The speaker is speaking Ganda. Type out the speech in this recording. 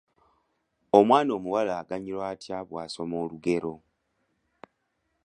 Omwana omuwala aganyulwa atya bw’asoma olugero?